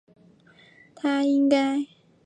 他应该回到我的身边